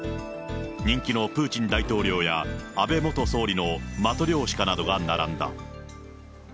人気のプーチン大統領や安倍元総理のマトリョーシカなどが並んだ。